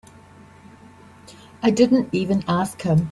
I didn't even ask him.